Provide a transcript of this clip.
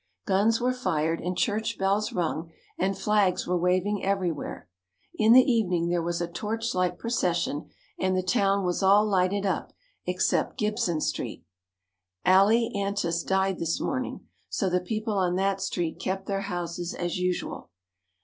Guns were fired and church bells rung and flags were waving everywhere. In the evening there was a torchlight procession and the town was all lighted up except Gibson Street. Allie Antes died this morning, so the people on that street kept their houses as usual.